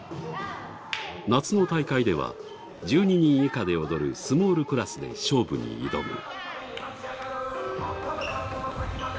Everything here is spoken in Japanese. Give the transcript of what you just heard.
夏の大会では１２人以下で踊るスモールクラスで勝負に挑む。